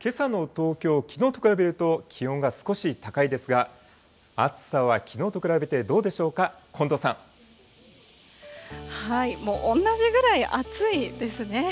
けさの東京、きのうと比べると気温が少し高いですが、暑さはきのうと比べてどもうおんなじぐらい暑いですね。